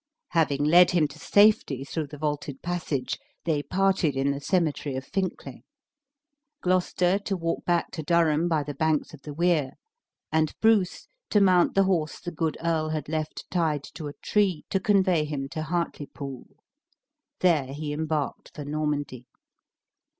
Having led him to safety through the vaulted passage, they parted in the cemetery of Fincklay; Gloucester, to walk back to Durham by the banks of the Wear; and Bruce, to mount the horse the good earl had left tied to a tree, to convey him to Hartlepool. There he embarked for Normandy.